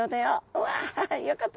うわよかった。